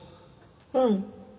うん。